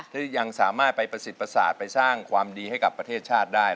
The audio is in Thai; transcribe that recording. ที่ยังสามารถไปประสิทธิประสาทไปสร้างความดีให้กับประเทศชาติได้